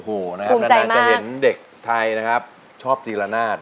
อันนั้นจะเห็นเด็กไทยนะครับชอบตีละนาด